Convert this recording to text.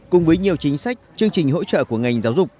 cùng với nhiều chính sách chương trình hỗ trợ của ngành giáo dục